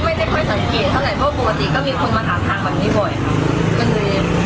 ก็ไม่ได้ค่อยสังเกตเท่าไหร่เพราะปกติก็มีคนมาถามทางแบบนี้บ่อยครับ